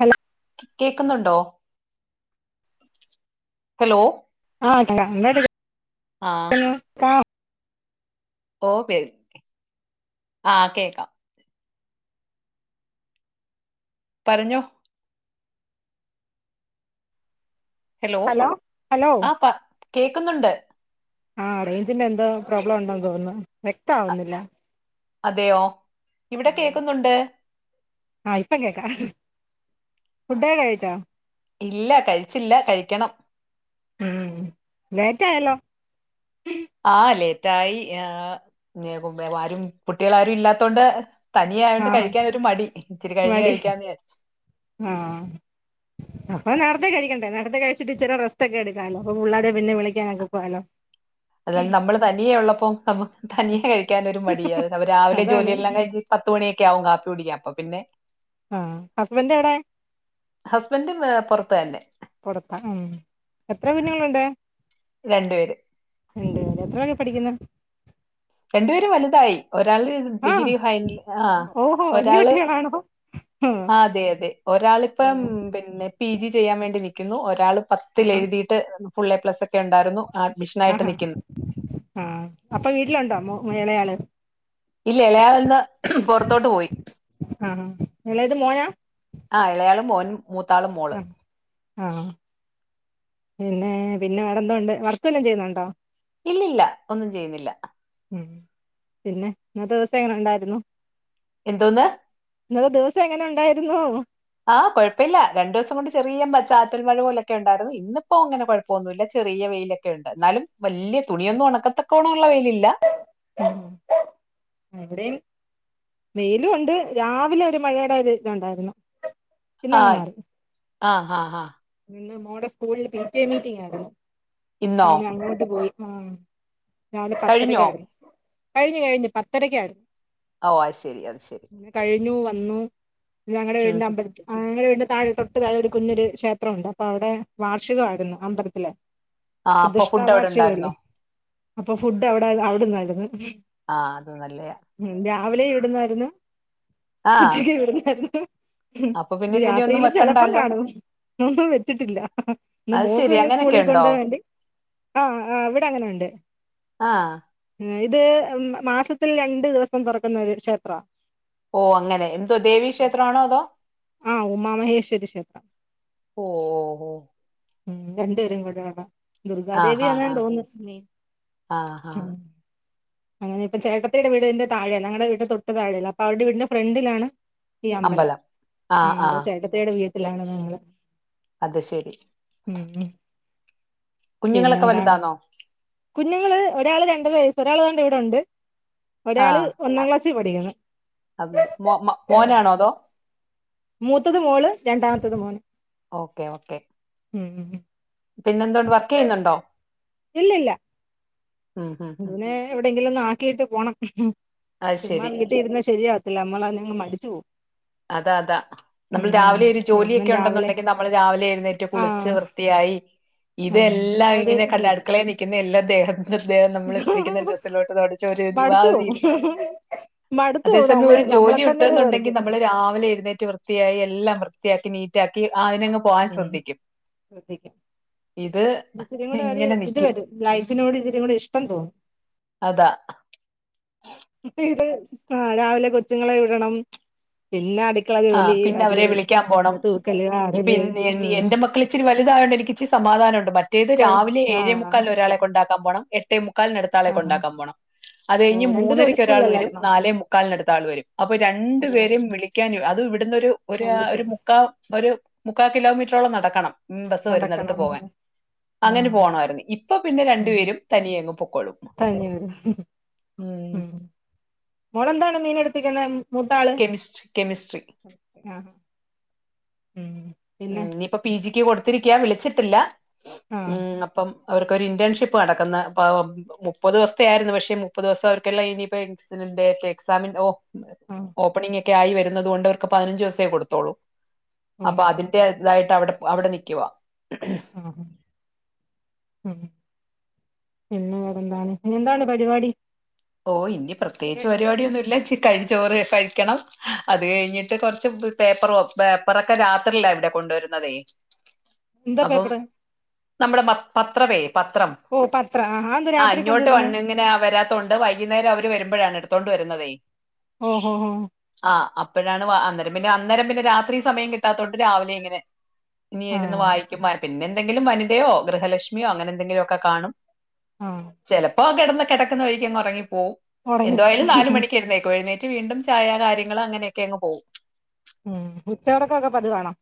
Hello കേക്ക്ന്നുണ്ടോ? Hello ആഹ് [unintelligible] ആഹ് ഓ [unintelligible] ആഹ് കേക്കാം. പറഞ്ഞോ ഹലോ ആഹ് പ കേക്കുന്നുണ്ട്. ആ റേഞ്ചിന്റെ എന്തോ പ്രോബ്ലം ഉണ്ടന്ന് തോന്നുന്നു വ്യക്തം അ- ആവുന്നില്ല. അതെയോ? ഇവിടെ കേക്കുന്നുണ്ട്. ആഹ് ഇപ്പൊ കേക്കാം. ഫുഡോക്കെ കഴിച്ചോ? ഇല്ല കഴിച്ചില്ല കഴിക്കണം. ഉം ലേറ്റായല്ലോ? ആ ലേറ്റായി ആ [unintelligible] ആരും കുട്ടിയാള് ആരും ഇല്ലാത്തോണ്ട് ആ തനിയായോണ്ട് കഴിക്കാനൊരു മടി ഇത്തിരി കഴിഞ്ഞ് കഴിക്കാന്ന് വിചരിച്ച്. ആഹ് അപ്പൊ നേർത്തെ കഴിക്കണ്ടേ നേർത്തെ കഴിച്ചിട്ട് ഇച്ചിരി റസ്റ്റ് ഒക്കെ എടുക്കാലോ അപ്പ പിള്ളാരെ പിന്നെ വിളിക്കാനൊക്കെ [unintelligible] ലോ അതായത് നമ്മള് തനിയെ ഉള്ളപ്പോ നമുക്ക് തനിയെ കഴിക്കാനൊരു മടിയ. രാവിലെ അതാണ് ജോലിയെല്ലാം കഴിഞ്ഞ് പത്ത് മണിയൊക്കെ ആകും കാപ്പി കുടിക്കാം അപ്പൊ പിന്നെ ആഹ് ഹസ്ബൻഡ് എവിടെ? ഹസ്ബൻഡും ഏ, പുറത്ത് തന്നെ കൊടുക്കണം എത്ര കുഞ്ഞുങ്ങളുണ്ട്? രണ്ടു പേര് രണ്ടുപേരോ എത്രയിലെക്കെ പഠിക്കുന്നെ? രണ്ടു പേരുംവലുതായി ഒരാള് ആ ഡിഗ്രി ഫൈന്ല് ആ ഓഹോ വല്യ ഒരാള് കുട്ടികളാണോ ആ ആഹ് അതെ അതെ ഓ ഒരാളിപ്പം പിന്നെ പി ജി ചെയ്യാൻ വേണ്ടി നിക്കുന്നു ഒരാള് ആഹാ പത്തിലെഴുതിയിട്ട് ഫുൾ എ പ്ലസ് ഒക്കെ ഉണ്ടായിരുന്നു. അഡ്മിഷനായിട്ട് ആഹ് നിക്കുന്നു. ആഹ് ആഹ് അപ്പൊ വീട്ടിലുണ്ടോ മോ എളേയാള്? ഇല്ല എളേയാളിന്ന് പൊർത്തോട്ട് പോയി. ആഹ് ആഹ് എളേത് മോനാ ആ ഇളയാള് മോൻ മൂത്താള് മോള്. ആ പിന്നെ പിന്നെ വേറെ എന്തൊണ്ട്? വർക്ക് വല്ലോം ചെയ്യുന്നുണ്ടോ? ഇല്ലില്ല ഒന്നും ചെയ്യുന്നില്ല. ഉം പിന്നെ ഇന്നത്തെ ദിവസങ്ങനെണ്ടായിരുന്നു എന്തോന്ന് ഇന്നത്തെ ദിവസങ്ങനെണ്ടായിരുന്നു ആ കൊഴപ്പില്ല രണ്ടുസം കൊണ്ട് ചെറിയ ചാറ്റൽ മഴ പോലൊക്കെണ്ടായിരുന്നു ഇന്നിപ്പോ അങ്ങനെ കുഴപ്പമൊന്നുല്ല ചെറിയ വെയില് കേയു ണ്ട് എന്നാലും വല്യ തുണിയൊന്നും ഉണക്കത്തക്കണള്ള വെയിലല്ല ഉം ഇ വിടെ യും വെലുണ്ട് രാവിലെ ഒരു മയെടെ ഒരു തുണ്ടായിരുന്നു ആയി ആ ഹ ഹ ഹ ഇന്ന് മോടെ സ്കൂളില് പി ടി എ മീറ്റിംഗ് ആയിരുന്നു അ ഇന്നോ ങ്ങനെ അങ്ങോട്ട് പോയി ആ രാവിലെ കഴിഞ്ഞോ? പത്തരക്കായിരുന്ന് കഴിഞ്ഞ് കഴിഞ്ഞ് പത്തരക്കായിരുന്ന് ഓ അ ശരി അത് ശരി അങ്ങനെ കഴിഞ്ഞു വന്നു ഞങ്ങടെ ഉം. വീട്ടിന്റെ അമ്പലത്തിൽ ആ ഞങ്ങടെ വീടിന്റെ താഴെ തൊട്ട് താഴെ ഒരു കുഞ്ഞരു ക്ഷേ ത്രം ഉണ്ട് പ്പൊവടെ വാർഷികയിരുന്നു അമ്പരത്തിലെ ആ അപ്പൊ പ്രതിഷ്ഠ ഫുഡ് അവിടെ വാർഷികല്ലേ ഉണ്ടായിരുന്നോ അപ്പൊ ഫുഡ് എവട അവടന്നായിരുന്നു ആ അത് നല്ലയാ ഉം രാവിലെ ഇവിടുന്നായിരുന്നു ആ ഉച്ചക്ക് ഇവിടുന്നായിരുന്നു ഉം അപ്പൊ ഇ പിന്നെ നി ഇനി ഒന്നും രാത്രില് ചെലപ്പം വെക്കണ്ടല്ലോ കാണും ഉം വെച്ചിട്ടില്ല പിന്നെ അത് മോക്ക് ശരി പിന്നെ അങ്ങനെയൊക്കെ സ്കൂളിൽ കൊണ്ട് ഉണ്ടോ പോകാൻ വേണ്ടി ആ ആ ഇവി ടെ അങ്ങനെണ്ട് ആ ഉം ഇത് മാസത്തിൽ രണ്ടു ദിവസം തൊറക്കുന്നരു ക്ഷേത്രാ ഓ അങ്ങനെ എന്തോ ദേവീക്ഷേത്രണോ അതോ ആ ഉമാമഹേശ്വരീ ക്ഷേത്രം ഓ ഓ ഓ ഉം രണ്ടുപേരും കൂടെയുള്ള ആ ദുർഗാദേവിയ ഹാ ന്നാ ഹാ തോന്നുന്ന ലക്ഷ്മി ആ ഹാ ഉം അങ്ങനെപ്പം ചേട്ടത്തിടെ വീടിന്റെ താഴെഞങ്ങടെ വീട്ട തൊട്ട താഴെല്ല അപ്പൊ അവർടെ വീടിന്റെ ഫ്രണ്ടിലാണ് ഈ അമ്പലം ആ ഉം ആ പ്പൊ ചേട്ടത്തിടെ വീട്ടിലാണ് ഞങ്ങള് അത്ശരി ഉം കുഞ്ഞുങ്ങളൊക്കെ പിന്നെന്താണ് വലുതാന്നോ കുഞ്ഞുങ്ങള് ഒരാള് രണ്ടര വയസ്സ് ഒരാള് ണ്ട് ഇവിടെണ്ട് ഒരാള് ഒന്നാം ക്ലാസ്സി പഠികിണ് അ മോ മോനാണോ അതോ മൂത്തത് മോള് രണ്ടാമത്തത് മോന് ഓക്കേ ഓക്കേ ഉം പിന്നെന്തോണ്ട് വർക്കെയ്യുന്നുണ്ടോ ഇവ നെ എവിടെയെങ്കിലോന്ന് ആക്കിയിട്ട് പോണം അത് ചുമ്മാ ശരി വീട്ടിഇരുന്ന ശരിയ അല്ല നമ്മളങ്ങ മടിച്ചു പോവും അതാ അതാ നമ്മൾ രാവിലൊരു എന്നും ജോലിയൊക്കെ രാവിലെ ഉണ്ടെന്നുണ്ടെങ്കി നമ്മള് രാവിലെ എഴു ന്നേറ്റ് കുളിച്ച് ആഹ് യായി ആഹ് ഇതെല്ലാം ആ ഒരു ഇങ്ങനെ ഇത് കണ്ട കിട്ടും അടുക്കളെ നിൽക്കുന്ന എല്ലാദേഹം ദേ ഹം നമ്മൾ ഇത്തിരിക്കുന്ന ഡ്രസ്സിലോട്ട് തുടച്ച ഒരു മടുത്തു മാതിരി ഇരി പോവും മടുത്തു പോവും അതേസമയം നമ്മള് ഒരു നമ്മളെ ജോലി തന്നെ ഒരു ഉണ്ടെന്നുണ്ടെങ്കി വെറുക്കും നമ്മള് രാവിലെ എഴുന്നേറ്റ് വൃത്തിയായി എല്ലാം വൃത്തിയാക്കി നീറ്റാക്കി അയിനെങ്ങ് പോവാൻ ഉം ശ്രദ്ധിക്കും ശ്രദ്ധിക്കും ഇത് ഇച്ചിരിയും കൂടെ ഒരു ഇങ്ങനെ ഇത് നിക്കും വരും ലൈഫിനോട് ഇച്ചിരികൂടി ഇഷ്ടം തോന്നും അതാ ഇത് ആ രാവിലെ കൊച്ചുങ്ങളെ വിടണം പിന്നെ അ അടുക്കള ആ ജോലി പിന്നെ അത് അവരെ വിളിക്കാൻ പോണം പിന്നെ തൂക്കല് ഇപ്പൊ വാരല് ഇന്ന് എൻ- ഉം എന്റെ മക്കൾ ഇച്ചിരി വലുതായോണ്ട് എനിക്കിച്ചിരി സമാധാനണ്ട് മറ്റേത് കൊഴ രാവിലെ ആ ഏഴേ മുക്കാലിന് ഇതാ ഒരാളെ കൊണ്ടാക്കാൻ പോണം എട്ടേ മുക്കാലിന് നടുത്താളെ ആ ആ കൊണ്ടാക്കാൻ പോണം അത് ഓ കഴിഞ്ഞ് രണ്ടുപേരും ഒരു മൂന്നരക്ക് ഒരാൾ വരും സ്കൂളിലല്ലായിരുന്നോ നാലേ മുക്കാലിനടുത്തയാൾ വരും അപ്പൊ ഓ രണ്ടു പേരെയും വിളി അത് ഇവ്ടുന്നൊരു രണ്ട് ഒരു ടൈം മുക്കാ ഒരു മുക്കാ കിലോമീറ്ററോളം നടക്കണം ഉം ബസ് വരുന്നട്ത്ത് നടക്കണം പോകാൻ ആ അങ്ങനെ പോണമായിരുന്നു ഇപ്പൊ പിന്നെ രണ്ടു ഉം പേരും തനിയെ അങ്ങ് പൊയ്ക്കോളും തനിയെ വരും ഉം മോളെന്താണ് മീന എടുത്തിക്കുന്നത് മൂത്താൾ കെമിസ്ട്രി കെമിസ്ട്രി ആഹ് ഉം പിന്നെ ഉം ഇനിയിപ്പം പി ജിക്ക് കൊടുത്തിരിക്കാ വിളിച്ചിട്ടില്ല ആ ഉം അപ്പം അവർക്കൊരു ഇന്റേൺഷിപ്പ് നടക്കുന്ന പാവം മുപ്പത് ദിവസത്തെ ആയിരുന്നു പക്ഷെ മുപ്പത് ദിവസം അവർക്കെല്ലാം ഇനിയിപ്പോ [unintelligible] എക്സാമിൻ ഡേറ്റ് ഓ ആ ഓപ്പണിങ് ഒക്കെ ആയി വരുന്നുന്നത് കൊണ്ട് അവർക്ക് പതിനഞ്ച് ദിവസേ കൊടുത്തോളൂ ഓ അപ്പൊ അതിന് അതിന്റെ ഇതായിട്ട് അവിടെ അവിടെ നിക്കുവാ ആഹ് ഉം പിന്നെ വേറെന്താണ് ഇന്ന് എന്താണ് പരിപാടി ഓ ഇനി ഉച്ച പ്രത്യേകിച്ച് കഴിഞ്ഞിട്ട് പരിപാടിയൊന്നും ഇല്ല ഇച്ചി ചോറ് കഴിക്കണം അത് ഉം കഴിഞ്ഞിട്ട് കുറച്ച് പേപ്പറ പേപ്പറൊക്കെ രാത്രിയിൽ ആണ് ഇവിടെ കൊണ്ടുവരുന്നതേ എന്താ അപ്പം പേപ്പറ് നമ്മുടെ പത്രമേ പത്രം ഓ പത്രം അതെന്താ ആ രാത്രി ഇങ്ങോട്ട് കൊണ്ടുവരുന്നേ വണ് ഇങ്ങനെ വരാത്ത അത് വൈകുന്നേരം അവര് വരുമ്പോഴാണ് എടുത്തോണ്ട് വരുന്നതേ ഓ ഹോ ഹോ ആ അപ്പോഴാണ് അന്നേരം പിന്നെ അന്നേരം പിന്നെ രാത്രി സമയം കിട്ടാത്തോണ്ട് രാവിലെ ഇങ്ങനെ ഇനി ഇരുന്നു ആഹ് വായിക്കും പിന്നെ എന്തെങ്കിലും വനിതയോ ഗൃഹലക്ഷ്മിയോ അങ്ങനെ എന്തെങ്കിലുമൊക്കെ കാണും ആഹ് ചിലപ്പോ കിടന്ന് കിടക്കുന്ന വഴിക്ക് അങ്ങ് ഉറങ്ങിപ്പോവും ഒടങ്ങി എന്തായാലും നാല് മണിക്ക് എഴുന്നേൽക്കും എഴുന്നേ റ്റ് വീണ്ടും ചായ കാര്യങ്ങൾ അങ്ങനെയൊക്കെ അങ്ങ് പോവും ഉം ഉച്ചയുറക്കൊക്കെ പതിവ് ആണോ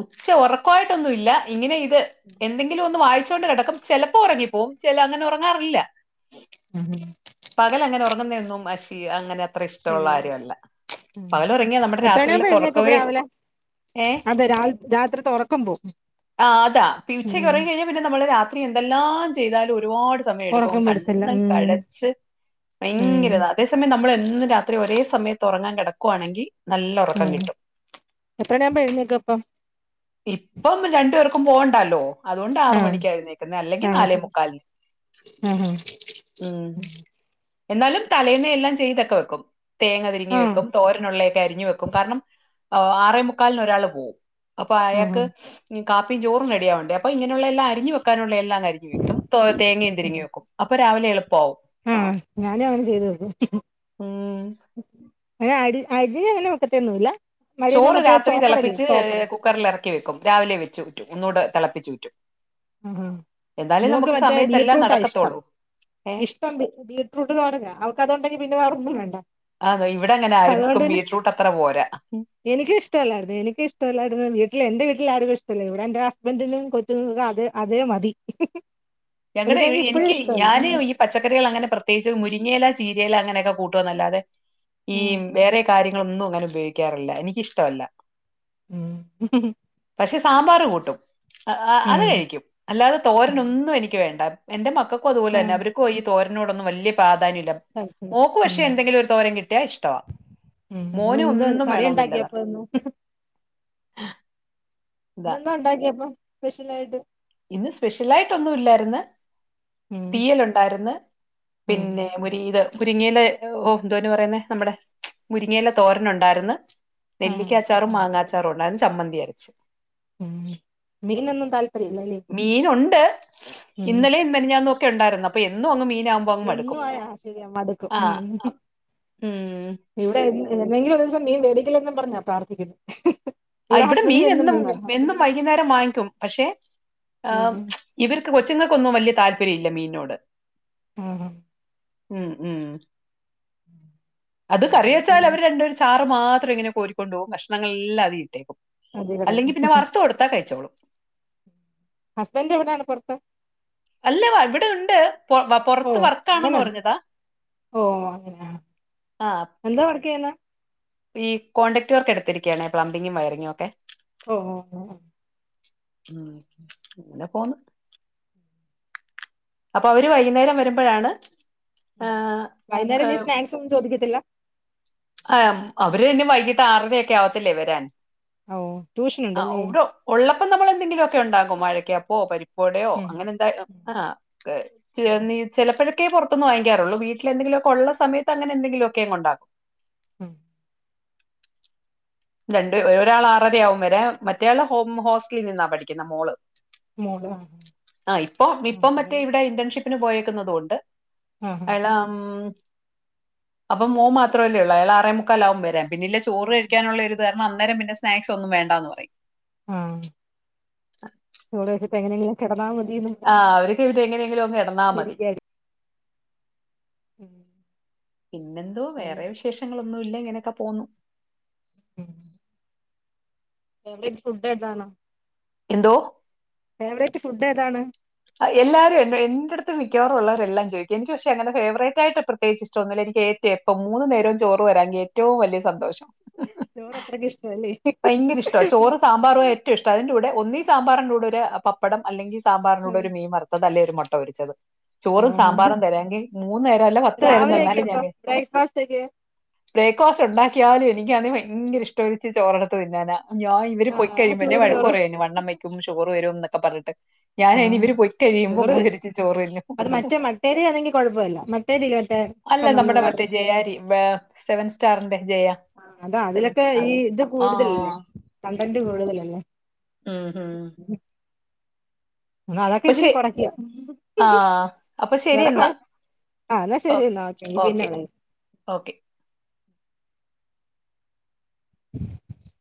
ഉച്ച ഉറക്കായിട്ടൊന്നും ഇല്ല ഇങ്ങനെ ഇത് എന്തെങ്കിലും ഒന്ന് വായിച്ചോണ്ട് കിടക്കും ചെലപ്പോ ഉറങ്ങിപ്പോവും ചില അങ്ങനെ ഉറങ്ങാറില്ല ഉം പകൽ അങ്ങനെ ഉറങ്ങുന്നതും ഷീ അങ്ങനെ അത്ര ഇഷ്ടമുള്ള ശരി കാര്യം അല്ല ഉം പകല് ഉറങ്ങിയ നമ്മുടെ എത്ര മണിയാവുമ്പോ രാത്രിയിലത്തെ എഴുന്നേക്കും അപ്പൊ ഉറക്കവേ രാവിലെ ഏ അതെ രാ രാത്രിത്തെ ഉറക്കം പോവും ആ അതാ പിന്നെ ഉച്ചക്ക് ഉം ഉറങ്ങിയാൽ കഴിഞ്ഞാൽ പിന്നെ നമ്മള് രാത്രി എന്തെല്ലാം ചെയ്താലും ഒരുപാട് സമയം എടുക്കും ഒറക്കം വരത്തില്ല കണ്ണ് ഉം കഴച്ച് ഉം ഭയങ്കര ഇതാ അതേസമയം നമ്മൾ എന്നും രാത്രി ഒരേ സമയത്ത് ഉറങ്ങാൻ കിടക്കുവാണെങ്കിൽ നല്ല ഉറക്കം ഉം കിട്ടും എത്ര മണി ആവുമ്പോ എഴുന്നേൽക്കും അപ്പം ഇപ്പം രണ്ടു പേർക്കും പോകണ്ടല്ലോ അതുകൊണ്ട് ആറ് ആഹ് മണിക്കാ എഴുന്നേൽക്കുന്നത് അല്ലെങ്കിൽ നാലേ താമസിക്കും മുക്കാലിന് ആഹ് ഹ ഉം എന്നാലും തലേന്നെ എല്ലാം ചെയ്തക്കെ വെക്കും തേങ്ങ പിരിഞ്ഞ് ആഹ് വെക്കും തോരനുള്ളയൊക്കെ അരിഞ്ഞു വെക്കും കാരണം ആറേ മുക്കാലിന് ഒരാൾ പോവും അപ്പൊ ആഹ് അയാൾക്ക് കാപ്പിയും ചോറും റെഡിയാവണ്ടേ അപ്പൊ ഇങ്ങനെയുള്ള എല്ലാം അരിഞ്ഞു വെക്കാനുള്ള എല്ലാം അരിഞ്ഞ് വെക്കും തോ തേങ്ങയും തിരിങ്ങി വെക്കും അപ്പം രാവിലെ എളുപ്പം ആവും ഉം ഞാനും അങ്ങനെ ചെയ്ത് വെക്കും ഉം ഞങ്ങ അരി അരി അങ്ങനെ വെക്കത്തെ ഒന്നൂല്ല ചോറ് രാത്രി തിളപ്പിച്ച് കുക്കറിൽ ഇറക്കി വെക്കും രാവിലെ വെച്ച് ഊറ്റും ഒന്നുടെ തിളപ്പിച്ച് ഊറ്റും ആഹ് എന്നാലെ മോക്ക് നമുക്ക് മറ്റേ സമയത്തെ എല്ലാം ബീറ്റ്റൂട്ടാ ഇഷ്ടം നടക്കത്തോളൂ ഏഹ് [unintelligible] ബീറ്റ്റൂട്ട് തോരനാ അവൾക്ക് അതു ഉണ്ടെങ്കി പിന്നെ വേറെ ഒന്നും വേണ്ട ആന്നോ ഇവിടെ അങ്ങനെ അതുകൊണ്ട് ആർക്കും പിന്നെ ബീറ്റ്റൂട്ട് അത്ര പോരാ എനിക്ക് ഇഷ്ടമല്ലായിരുന്നു എനിക്ക് ഇഷ്ടല്ലായിരുന്നു വീട്ടില് എന്റെ വീട്ടിൽ ആർക്കും ഇഷ്ടല്ല ഇവിടെ എന്റെ ഹസ്ബൻഡിനും കൊച്ചുങ്ങൾക്ക്ക്കെ അതെ അതേ മതി എനിക്കാണെങ്കി [unintelligible] ഇപ്പഴും എനിക്ക് ഞാന് ഇഷ്ടമല്ല പച്ചക്കറികൾ ല്ലാം അങ്ങനെ പ്രത്യേകിച്ച് മുരങ്ങയില ചീരയില അങ്ങനൊക്കെ കൂട്ടുവാന്ന് അല്ലാതെ ഈ ഉം വേറെ കാര്യങ്ങളൊന്നും അങ്ങനെ ഉപയോഗിക്കാറില്ല എനിക്കിഷ്ടമല്ല ഉം പക്ഷെ സാമ്പാർ കൂട്ടും അത് ഉം കഴിക്കും അല്ലാതെ തോരനൊന്നും എനി ക്ക് വേണ്ട എന്റെ മക്കൾക്കും അതുപോലെ ഉം തന്നെ അവര്ക്കും ഈ തോരനോടന്നും വലിയ പ്രാധാന്യം ഇല്ല താല്പര്യം മേൾക്ക് ഉം പക്ഷെ എന്തങ്കിലും ഒരു തോരൻ കിട്ടിയാ ഇഷ്ടവാ ഉം മോന് ഇന്ന്ന്താ ഒന്നും കറി ഉണ്ടാക്കിയപ്പ ന്നും ആഹ് ഇന്നന്താ ഉണ്ടാക്കിയ പ്പൊ സ്പെഷ്യലാ യിട്ട് ഇന്ന് സ്പെഷ്യൽ ആയിട്ടൊന്നും ല്ലായിര്ന്ന് ഉം തീയ്യല് ണ്ടായിര്ന്ന് ഉം പിന്നെ മുരി ഇല മുരിങ്ങയിലെ ഓ എന്തോ അയ്ന് പറയുന്നേ നമ്മുടെ മുരിങ്ങയില തോരനു ഉണ്ടായിര്ന്ന് ആഹ് നെല്ലിക്കാച്ചാറും ആഹ് അങ്ങനെ. മാങ്ങാച്ചാറും ഉണ്ടായിരുന്നു ചമ്മന്തി അരച്ച് ഉം മീന് ഒന്നും താല്പര്യ ല്ല ല്ലേ മീനുണ്ട് ഇന്നലെ മിനിഞ്ഞാന്ന് ഒക്കെ ഉണ്ടായിരുന്നു അപ്പൊ എന്നും അങ്ങ് മീനാവു മ്പം ങ്ങ് മടുക്കും എന്നും ആയാ ശരിയാ മടുക്കും ആഹ് ഉം ഉം ഇവിടെ എ എന്നങ്കിലും ഒരൂ സം മീൻ മേടിക്കില്ലെന്നും പറഞ്ഞാ പ്രാർത്ഥിക്കുന്നു ആ ഇവിടെ മീൻ എന്നും എന്നും വൈകുന്നേരം വാങ്ങിക്കും പക്ഷെ ആ ഉം ഇവര്ക്ക് കൊച്ചുങ്ങൾക്കൊന്നും വല്യയ താല്പര്യം ഇല്ല മീൻനോട് ആണോ ഉം ഉം അത് കറി വെച്ചാൽ ഉം അവര് രണ്ടുപേരും ചാറ് മാത്രം ഇങ്ങനെ കോരിക്കോണ്ടോവും കഷ്ണങ്ങളെല്ലാം അതീ ഇട്ടേക്കും അതെ കട അല്ലെങ്കിൽ പിന്നെ വറുത്ത് കൊടുത്താ കഴിച്ചോളും ഹസ്ബൻഡ് എവിടെയാണ് പുറത്ത അല്ല വ ഇവിടെ ഉണ്ട് പൊ വ ഓ പുറത്ത് വർക്കാണെന്ന് അങ്ങനാണ് പറഞ്ഞതാ ഓ അങ്ങനാ ആഹ് എന്താ വർക്കയ്യുന്നേ ഈ കോൺടാക്ട് വർക്ക് എടുത്തിരിക്കയാണ് പ്ലംബിങ്ങും വയറിങ്ങും ഒക്കെ ഓഹ് ഓഹ് ഓഹ് ങ്ങായി അങ്ങനെ പോന്ന് അപ്പൊ അവര് വൈകുന്നേരം വരുമ്പഴാണ് ഉം വൈന്നാരം എന്തേ സ്നാക്സ് ഒന്നും ചോദിക്കത്തില്ല [unintelligible] അവര് എന്നും വൈകിട്ട് ആറര ഒക്കെ ആവത്തില്ലേ വരാൻ ഓ ട്യൂഷൻ ആ ഉണ്ടല്ലേ ഓരോ ഉള്ളപ്പം നമ്മളെന്തെങ്കിലൊക്കെ ഉണ്ടാക്കും. മഴക്കപ്പോ പരിപ്പ് വടയോ ഉം അങ്ങനെ എന്താ ഉം ആ ച ഉം നീ ചെലപ്പഴെക്കേ പൊറത്ത്ന്ന് വാങ്ങിക്കാറൊള്ളു. വീട്ടിലെന്തെങ്കിലു ഒക്കെ ഒള്ള സമയത്ത് അങ്ങനെ എന്തെങ്കിലൊക്കെ അങ് ഇണ്ടാക്കും. ഉം. രണ്ട്, ഒരാള് ആറരയാകും വരാൻ. മറ്റെ ആള് ഹോസ്റ്റലിൽ നിന്നാ പഠിക്കുന്ന മോള്. മോള് ആ ആ ഇപ്പൊ ആ ഇപ്പം അപ്പൊ മറ്റെ പിന്നെ ഇവിടെ ഇന്റേൺഷിപ്പിന് പോയേക്കുന്നുന്നത് കൊണ്ട്. ആ അയാള് ഉം. അപ്പം മോ മാത്രല്ലെ ഉള്ളു. അയാള് ആറേ മുക്കാല് ആകും വരാൻ. പിന്നില്ല ചോറ് കഴിക്കാനുള്ള ഒരു കാരണം അന്നേരം പിന്നെ സ്നാക്സ് ഒന്നും വേണ്ട എന്ന് പറയും. ആഹ് ചോറ് വെയ്ച്ചപ്പോ എങ്ങനെങ്കിലും കെടന്നാൽ മതിന്നും. ആഹ്. അവർക്ക് ഇത് എങ്ങനെങ്കിലും ഒന്ന് ഐടന്നാ മതി. ഉം പിന്നെന്തോ വേറെ വിശേഷങ്ങളൊന്നും ഇല്ല. ഇങ്ങനെയൊക്കെ പോവുന്നു. ഫേവറൈറ്റ് ഫുഡ്ന്താണോ. എന്തോ. ഫേവറേറ്റ് ഫുഡ് ഏതാണ്. എല്ലാരും എന്റെ അടുത്ത് മിക്കോറള്ളവരെല്ലാം ചോദിക്ക എനിക്ക് പക്ഷെ അങ്ങെ ഫേവറേറ്റ്ായിട്ട് പ്രത്യേകിച്ച്ഷ്ടം ഒന്നില്ല എനി എ േ ഇപ്പ മൂന്നു നേരം ചോറ് വരാങ്കിൽ ഏറ്റവും വലിയ സന്തോഷം ചോറ് അത്രക്ക് ഇഷ്ട്വ അല്ലെ. ഭയങ്കര ഇഷ്ട്വ. ചോറ് സാമ്പാറും ഏറ്റവും ഇഷ്ട. അതിൻന്റെ കൂടെ ഒന്നീ സാമ്പാറ് [unintelligible] ന്റെ ക്കൂടെ ഒരു പപ്പടം അല്ലെങ്കി സാമ്പാറിനോട് ഒരു മീൻ വറുത്തത്. അല്ലേൽ ഒരു മുട്ട പൊരിച്ചത്. ചോറും, ആഹ് സാമ്പാറും തരാെങ്കിൽ മൂന്നു നേരം അല്ല പത്ത്നേരം രാവിലെയൊക്കെ തന്നാലും ഞാൻ അപ്പൊ കഴി. ബ്രേക്ക്ഫാസ്റ്റ് ഒക്കെ ബ്രേക്ക്ഫാസ്റ്റ് ഉണ്ടാക്കിയാലും എനിക്കത് ഭയങ്കര ഇഷ്ട ചോറെടുത്ത് തിന്നാനാ. ഞാൻ. ഇവര് പൊയി ആഹ് കഴിമ്പെന്നെ ചൂട് വഴക്ക് ചോറും പറയും എന്നെ. വണ്ണം വക്കും, ഷുഗറ് വരുംന്നൊക്ക പറഞ്ഞിട്ട്. ഞാന് ഇനി ആഹ് ഇവര് പൊയി കഴിയുമ്പ ഷുഗർ വരും പൊരിച്ചു ചോറിന്നും. അത് മറ്റേ മട്ടേരി ആണെങ്കിൽ കുഴപ്പമില്ല മട്ടേരില്ലേ മറ്റേ അല്ല ചുമന്ന നമ്മടെ മറ്റെ കളറ് ജയ അരി. വ സെവൻ സ്റ്റാറിന്റെ ജയ. അതാ സെവൻ അതിലൊക്കെ സ്റ്റാർ ഈ ഇത് കൂടുതലല്ലേ. ആഹ് കണ്ടന്റ് കൂടുതലല്ലേ. ഉം ഉം.. അതൊക്കെ അപ്പൊ ഇച്ചിരി ശെ കൊറയ്ക്ക. [unintelligible] ആഹ് അപ്പൊ ശരി എന്നാ. ആ എന്നാ ഓ ശെരി ഇന്നാ ഓക്കെ. പിന്നെ വിളി. ഓക്കെ. [inaudible]